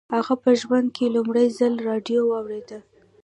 هغه په ژوند کې لومړي ځل راډيو واورېده.